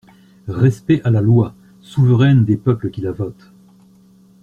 Respect à la Loi, souveraine des peuples qui la votent!